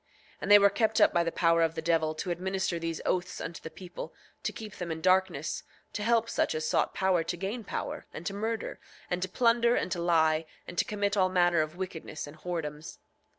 8:16 And they were kept up by the power of the devil to administer these oaths unto the people, to keep them in darkness, to help such as sought power to gain power, and to murder, and to plunder, and to lie, and to commit all manner of wickedness and whoredoms.